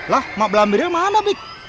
lah emak lampirnya mana bik